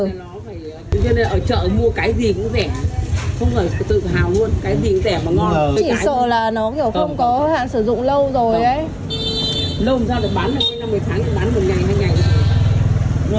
nên ở chợ mua cái gì cũng rẻ không phải tự hào luôn cái gì cũng rẻ và ngon